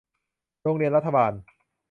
โรงเรียนรัฐบาล